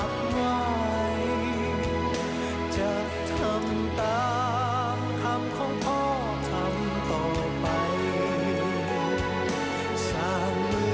ปราบินมหาภูมิผลอดุญเดชน์